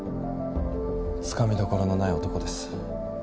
掴みどころのない男です。